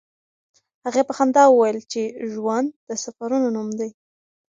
هغې په خندا وویل چې ژوند د سفرونو نوم دی.